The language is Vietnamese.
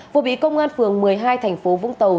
vừa bị công an phường một mươi hai tp vũng tàu